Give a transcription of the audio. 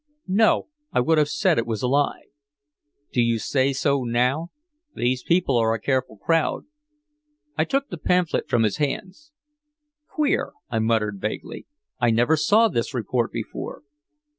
"No. I would have said it was a lie." "Do you say so now? These people are a careful crowd." I took the pamphlet from his hands. "Queer," I muttered vaguely. "I never saw this report before."